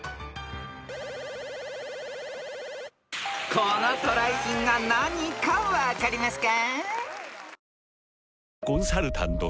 ［この渡来品が何か分かりますか？］